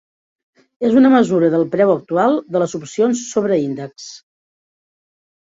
És una mesura del preu actual de les opcions sobre índexs.